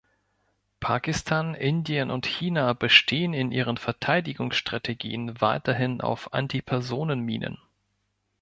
Pakistan, Indien und China bestehen in ihren Verteidigungsstrategien weiterhin auf Antipersonenminen.